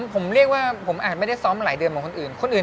ผมเรียกว่าผมอาจไม่ได้ซ้อมมาหลายเดือนเหมือนคนอื่นคนอื่น